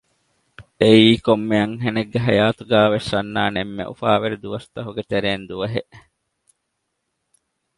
އެއީ ކޮންމެ އަންހެނެއްގެ ހަޔާތުގައިވެސް އަންނާނެ އެންމެ އުފާވެރި ދުވަސްތަކުގެ ތެރެއިން ދުވަހެއް